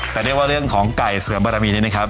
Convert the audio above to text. สุดยอดครับแต่เรื่องของไก่เสือมประมีนี้นะครับ